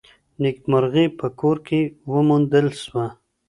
نېکمرغي په کور کي وموندل سوه.